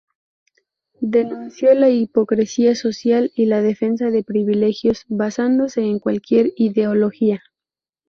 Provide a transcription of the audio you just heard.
Denunció la hipocresía social y la defensa de privilegios, basándose en cualquier ideología.